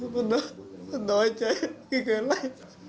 มันน้อยใจมันเกิดอะไร